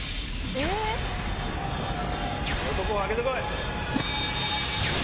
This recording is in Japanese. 男を上げて来い！